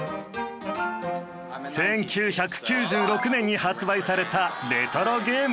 １９９６年に発売されたレトロゲーム。